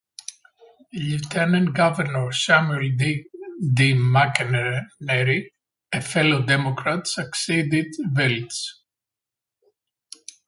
Lieutenant Governor Samuel D. McEnery, a fellow Democrat, succeeded Wiltz.